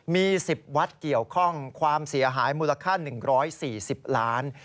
มี๑๐วัดเกี่ยวข้องความเสียหายมูลค่า๑๔๐ล้าน